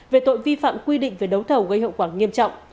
về tội vi phạm quy định về đấu thầu gây hậu quả nghiêm trọng